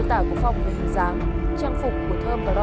nhóm phong cũng không biết